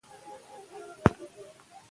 که میندې کیمیا پوهې وي نو تجربې به نه ناکامیږي.